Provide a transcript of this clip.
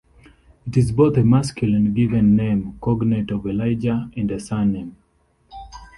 It is both a masculine given name, cognate of Elijah, and a surname.